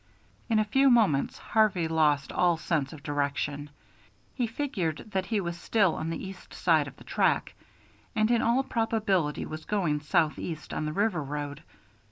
In a few moments Harvey lost all sense of direction. He figured that he was still on the east side of the track, and in all probability was going southeast on the river road.